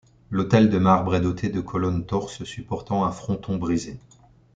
L'autel de marbre est doté de colonnes torses supportant un fronton brisé.